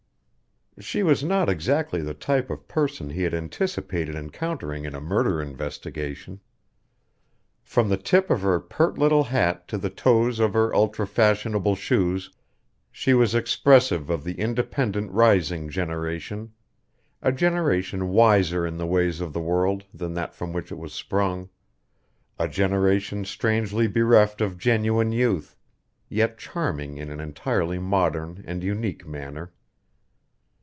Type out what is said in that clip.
She was not exactly the type of person he had anticipated encountering in a murder investigation. From the tip of her pert little hat to the toes of her ultra fashionable shoes she was expressive of the independent rising generation a generation wiser in the ways of the world than that from which it was sprung a generation strangely bereft of genuine youth, yet charming in an entirely modern and unique manner.